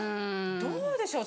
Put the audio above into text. どうでしょう